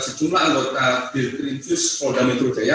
sejumlah anggota bilkrim jus polda metro jaya